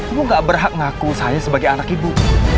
ibu gak berhak ngaku saya sebagai anak ibu